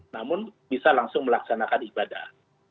namun bisa langsung melaksanakan ibadah